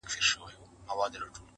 چا خندله چا به ټوکي جوړولې!.